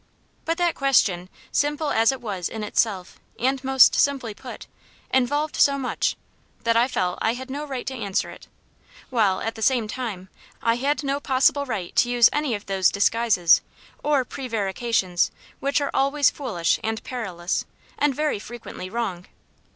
But that question, simple as it was in itself, and most simply put, involved so much, that I felt I had no right to answer it; while, at the same time, I had no possible right to use any of those disguises or prevarications which are always foolish and perilous, and very frequently wrong.